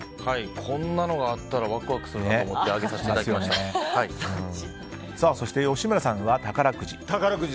こんなのがあったらワクワクするなと思って吉村さんは宝くじ。